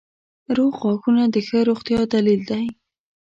• روغ غاښونه د ښه روغتیا دلیل دی.